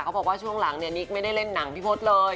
เขาบอกว่าช่วงหลังนิ๊กไม่ได้เล่นหนังพี่พลดเลย